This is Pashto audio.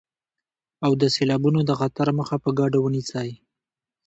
او د سيلابونو د خطر مخه په ګډه ونيسئ.